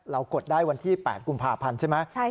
เรากดได้วันที่๘กรุมพาพรรณใช่ไหม